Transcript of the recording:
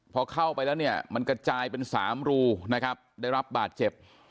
พอเข้าไปแล้วเนี่ยมันกระจายเป็น๓รูนะครับได้รับบาดเจ็บ